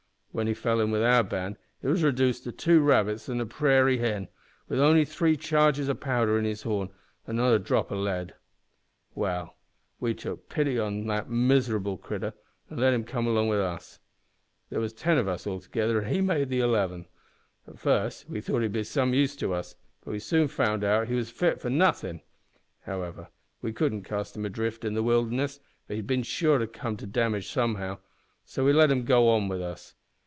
When he fell in with our band he was redooced to two rabbits an' a prairie hen, wi' only three charges o' powder in his horn, an' not a drop o' lead. "Well, we tuck pity on the miserable critter, an' let him come along wi' us. There was ten of us altogether, an' he made eleven. At first we thought he'd be of some use to us, but we soon found he was fit for nothin'. However, we couldn't cast him adrift in the wilderness, for he'd have bin sure to come to damage somehow, so we let him go on with us.